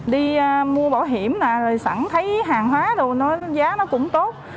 đi mua bảo hiểm sẵn thấy hàng hóa giá nó cũng tốt